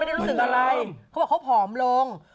ได้รู้สึกอะไรเขาบอกเขาผอมลง